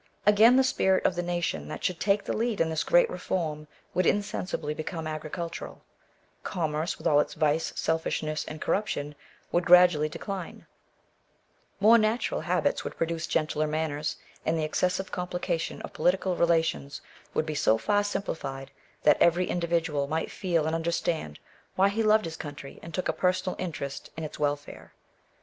Again, the spirit of the nation that should take f the lead in this great reform would insensibly become agricultural : commerce, with all its vice, selfishness, and corruption, would gradually decline; more natural habits Digitized by Google A Vindication of NcUural Diet, 21 would produce gentler manners, and the excessive complica tion of political relations would be so far simplified that every individual might feel and imderstaud why he loved his country, and took a personal interest in its welfare.